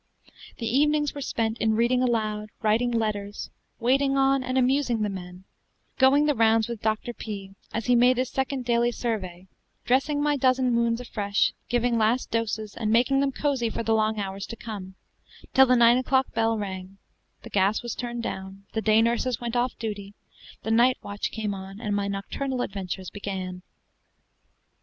The evenings were spent in reading aloud, writing letters, waiting on and amusing the men, going the rounds with Dr. P as he made his second daily survey, dressing my dozen wounds afresh, giving last doses, and making them cozy for the long hours to come, till the nine o'clock bell rang, the gas was turned down, the day nurses went off duty, the night watch came on, and my nocturnal adventures began.